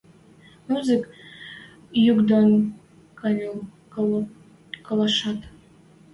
Музык юк дон кӓньӹл колашат.